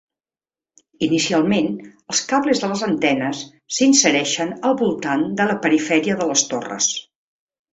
Inicialment, els cables de les antenes s'insereixen al voltant de la perifèria de les torres.